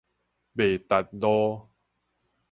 麥達路